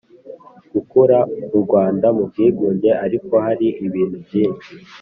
gukura u Rwanda mu bwigunge Ariko hari ibintu byinshi